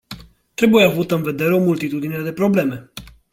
Trebuie avută în vedere o multitudine de probleme.